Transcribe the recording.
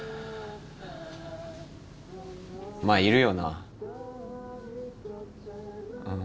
まあいるよな。